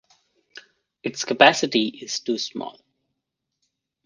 Its capacity is too small.